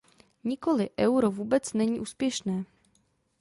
Nikoli, euro vůbec není úspěšné.